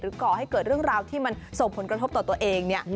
ก่อให้เกิดเรื่องราวที่มันส่งผลกระทบต่อตัวเองเนี่ย